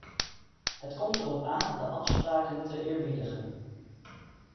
Het komt erop aan de afspraken te eerbiedigen.